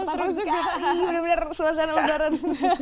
oh seru juga benar benar suasana lebaran